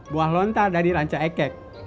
buah lontar dari rancayeket